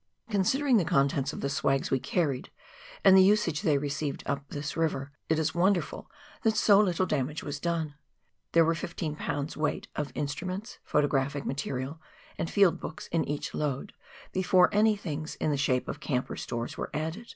Considering the contents of the " swags " we carried, and the usage they received up this river, it is wonderful that so little damage was done. There were 15 lbs. weight of instruments,, photographic material, and field books in each load, before any things in the shape of camp or stores were added.